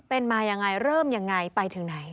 เป็นมายังไงเริ่มยังไงไปถึงไหน